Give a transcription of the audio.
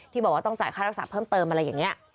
บอกว่าต้องจ่ายค่ารักษาเพิ่มเติมอะไรอย่างนี้